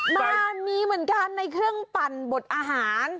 มันมีเหมือนกันในเครื่องปั่นบดอาหาร